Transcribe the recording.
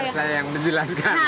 biar saya yang menjelaskan